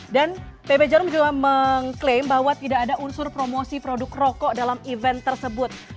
dan pb jarum juga mengklaim bahwa tidak ada unsur promosi produk roko dalam event tersebut